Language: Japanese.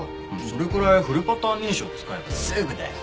それくらいフルパターン認証使えばすぐだよ。